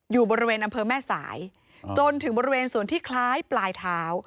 อยู่บริเวณอำเภอแม่สายจนถึงบริเวณส่วนที่คล้ายปลายเท้า